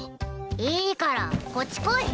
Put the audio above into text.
いいからこっち来い。